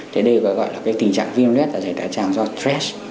thì đây gọi là cái tình trạng viêm lết dạ dày thái tràng do stress